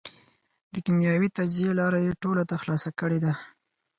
د کېمیاوي تجزیې لاره یې ټولو ته خلاصه کړېده.